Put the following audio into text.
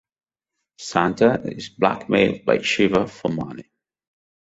Santa is blackmailed by Shiva for money.